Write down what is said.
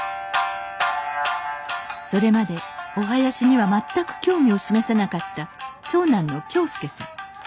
それまでお囃子には全く興味を示さなかった長男の恭将さん。